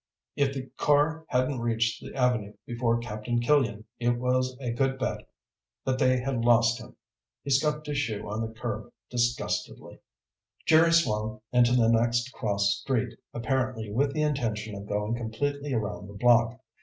If the car hadn't reached the avenue before Captain Killian, it was a good bet that they had lost him. He scuffed his shoe on the curb disgustedly. Jerry swung into the next cross street, apparently with the intention of going completely around the block.